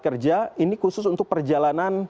kerja ini khusus untuk perjalanan